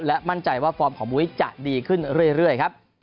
และมั่นใจว่าฟอร์มของมุ้ยจะดีขึ้นเรื่อยครับ